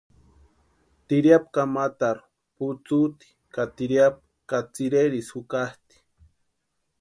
Tiriapu kamatarhu putsuti ka tiriapu ka tsïrerisï jukatʼi.